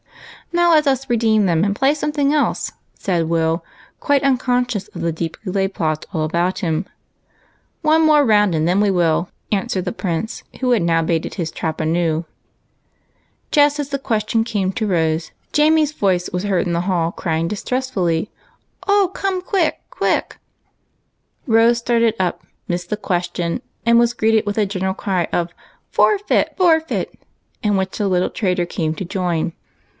" Now let us redeem them and play something else," said Will, quite unconscious of the deeply laid plots all about him. " One more round and then we will," answered the Prince, who had now baited his trap anew. Just as the question came to Rose, Jamie's voice was heard in the hall crying distressfully, " Oh, come quick, quick !" Rose started up, missed the question, and was greeted with a general cry of " Forfeit ! forfeit!" in which the little traitor came to join.